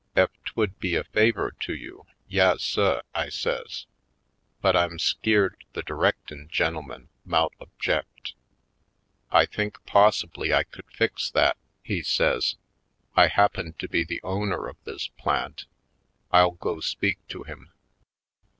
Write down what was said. "Ef 'twould be a favor to you — yas, suh," I says. "But I'm skeered the directin' gen'elman mout object." "I think possibly I could fix that," he 132 /. PcindexteTj Colored says. "I happen to be the owner of this plant. I'll go speak to him."